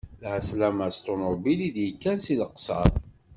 Lɛeslama s ṭunubil, i d-yekkan seg Leqser.